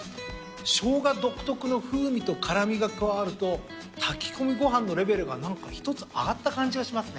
ショウガ独特の風味と辛味が加わると炊き込みご飯のレベルが何か一つ上がった感じがしますね。